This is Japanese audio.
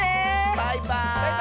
バイバーイ！